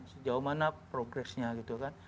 sejauh mana progresnya gitu kan